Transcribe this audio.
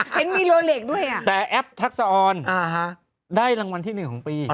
เห็นมีโลเล็กด้วยแต่แอปทักษะออนได้รางวัลที่๑ของปี